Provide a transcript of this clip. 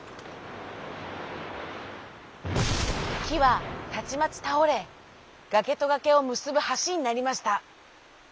きはたちまちたおれがけとがけをむすぶはしになりました。